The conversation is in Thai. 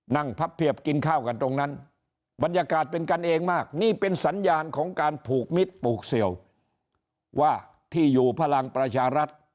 พับเพียบกินข้าวกันตรงนั้นบรรยากาศเป็นกันเองมากนี่เป็นสัญญาณของการผูกมิตรปลูกเสี่ยวว่าที่อยู่พลังประชารัฐ